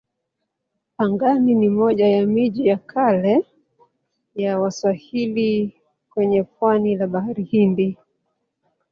Pangani ni moja ya miji ya kale ya Waswahili kwenye pwani la Bahari Hindi.